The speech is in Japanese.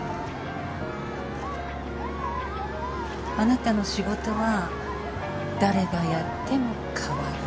あなたの仕事は誰がやっても変わらない。